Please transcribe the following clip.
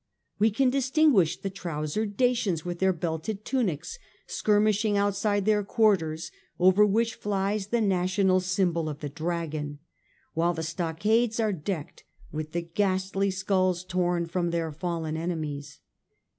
We can distinguish the trousered Dacians with their belted tunics, skirmishing outside their quarters, over which flies the national symbol of the dragon, while the stock ades are decked with the ghastly skulls torn from their fallen enemies.